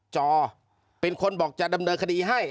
จอเป็นคนบอกจะดำเนินคดีให้